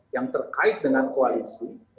yang terkait dengan koalisi